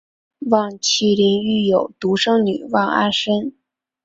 望麒麟育有独生女望阿参。